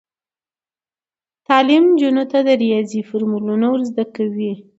تعلیم نجونو ته د ریاضي فورمولونه ور زده کوي.